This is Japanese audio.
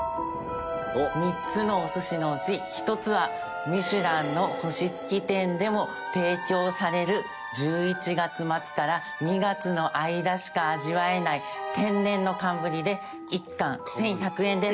３つのお寿司のうち１つは『ミシュラン』の星付き店でも提供される１１月末から２月の間しか味わえない天然の寒ぶりで１貫１１００円です。